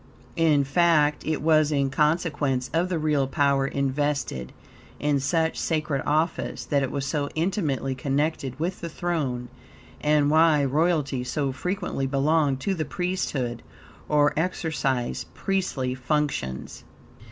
In fact, it was in consequence of the real power invested in such sacred office that it was so intimately connected with the throne, and why royalty so frequently belonged to the priesthood or exercised priestly functions.